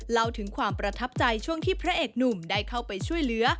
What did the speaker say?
เล่าถึงความประทับใจช่วงที่พระเอกหนุ่มได้เข้าไปช่วยเหลือ